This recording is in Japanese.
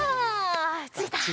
ついた。